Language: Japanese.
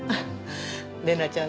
玲奈ちゃん